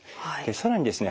更にですね